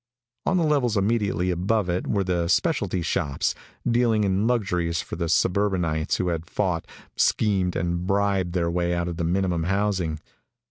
On the levels immediately above it were the specialty shops, dealing in luxuries for the suburbanites who had fought, schemed and bribed their way out of the minimum housing.